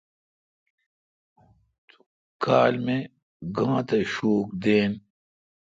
تو کھال می گانتھ شوک دین۔